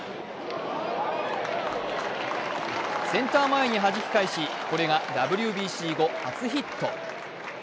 センター前にはじき返し、これがＷＢＣ後初ヒット。